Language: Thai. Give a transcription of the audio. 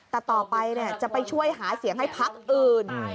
แต่ต่อไปเนี่ยจะไปช่วยหาเสียงให้พลักษณ์อื่น